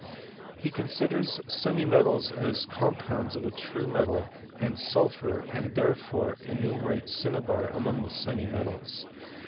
He con siders semi metals as compounds of a true metal and sulphur, and therefore enumerates cinnabar among the semi metals.